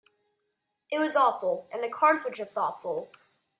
It was awful and the cards were just awful.